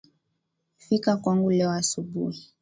Fika kwangu leo asubuhi.